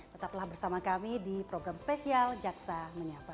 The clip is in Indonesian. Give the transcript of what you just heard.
tetaplah bersama kami di program spesial jaksa menyapa